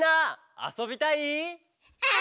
あそびたいっ！！」